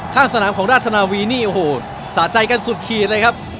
ข้างสนามของราชนาวีนี่โอ้โหสะใจกันสุดขีดเลยครับ